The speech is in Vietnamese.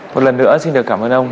một lần nữa xin được cảm ơn ông